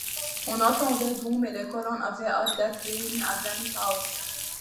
On attendait donc, mais les colons avaient hâte d’être réunis à Granite-house.